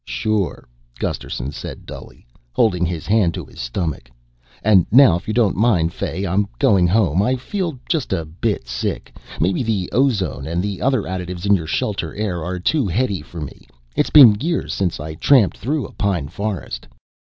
"Sure," Gusterson said dully, holding his hand to his stomach. "And now if you don't mind, Fay, I'm goin' home. I feel just a bit sick. Maybe the ozone and the other additives in your shelter air are too heady for me. It's been years since I tramped through a pine forest."